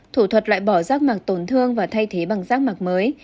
thủ thuật loại bỏ sắc mạc tổn thương và thay thế bằng sắc mạc mới